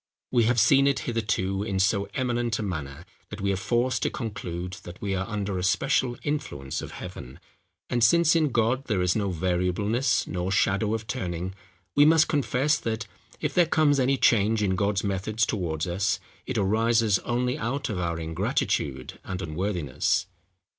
We have seen it hitherto in so eminent a manner, that we are forced to conclude that we are under a special influence of heaven: and since in God there is no variableness, nor shadow of turning, we must confess that, if there comes any change in God's methods towards us, it arises only out of our ingratitude and unworthiness."